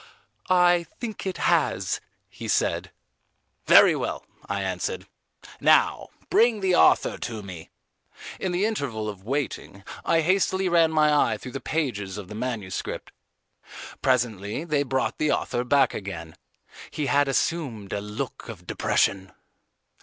"I think it has," he said. "Very well," I answered; "now bring the author to me." In the interval of waiting, I hastily ran my eye through the pages of the manuscript. Presently they brought the author back again. He had assumed a look of depression.